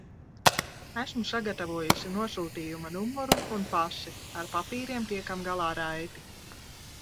Esmu sagatavojusi nosūtījuma numuru un pasi, ar papīriem tiekam galā raiti.